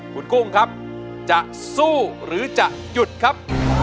คุณกุ้งครับจะสู้หรือจะหยุดครับ